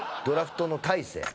ドラフトの大勢。